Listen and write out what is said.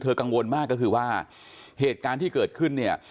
กังวลมากก็คือว่าเหตุการณ์ที่เกิดขึ้นเนี่ย